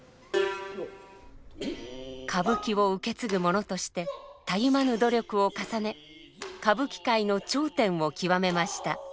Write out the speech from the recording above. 歌舞伎を受け継ぐ者としてたゆまぬ努力を重ね歌舞伎界の頂点を極めました。